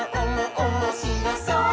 おもしろそう！」